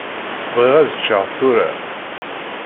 Bɣiɣ ad ččeɣ tura.